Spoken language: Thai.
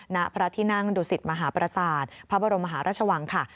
ณพระที่นั่งดูสิตมหาประสาทพระบรมมหาราชวังค่ะ